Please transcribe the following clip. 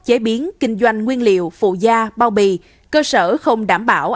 chế biến kinh doanh nguyên liệu phụ gia bao bì cơ sở không đảm bảo